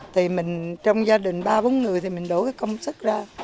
thì mình trong gia đình ba bốn người thì mình đổ cái công sức ra